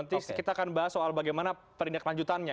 nanti kita akan bahas soal bagaimana perindahkan lanjutannya